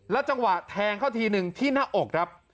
และจังหวะแทงเขาโดยทีนึงที่หน้าอกครับ